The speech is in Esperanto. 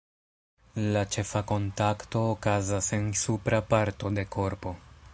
La ĉefa kontakto okazas en supra parto de korpo.